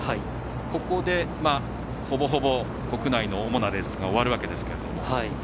ここで、ほぼほぼ国内の主なレースが終わるわけですけど。